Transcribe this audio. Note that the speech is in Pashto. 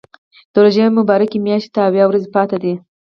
د روژې مبارکې میاشتې ته اویا ورځې پاتې دي.